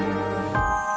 jangan lupa untuk mencoba